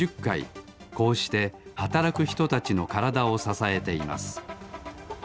こうしてはたらくひとたちのからだをささえています